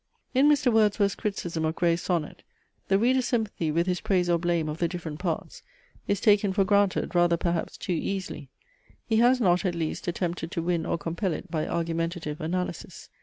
In Mr. Wordsworth's criticism of Gray's Sonnet, the reader's sympathy with his praise or blame of the different parts is taken for granted rather perhaps too easily. He has not, at least, attempted to win or compel it by argumentative analysis.